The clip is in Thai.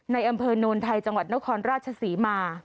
ในอำเภอโนนไทยจังหวัดนครราชศรีมา